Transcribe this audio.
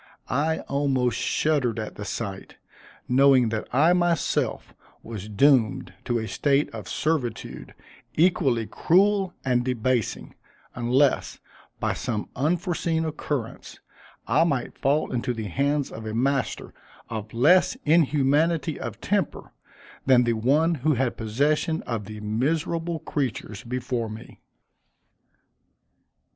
I almost shuddered at the sight, knowing that I myself was doomed to a state of servitude equally cruel and debasing, unless, by some unforeseen occurrence, I might fall into the hands of a master of less inhumanity of temper than the one who had possession of the miserable creatures before me.